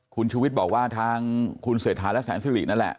คุณชูวิทย์บอกว่าทางคุณเศรษฐาและแสนสิรินั่นแหละ